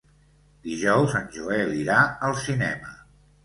Dijous en Joel irà al cinema.